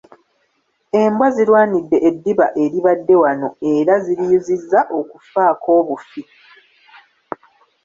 Embwa zirwanidde eddiba eribadde wano era ziriyuzizza okufaako obufi.